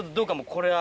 これは。